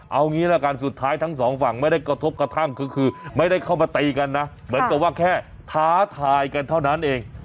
เอางี้ละกันสุดท้ายทั้งสองฝั่งไม่ได้กระทบกระทั่งคือไม่ได้เข้ามาตีกันนะเหมือนกับว่าแค่ท้าทายกันเท่านั้นเอง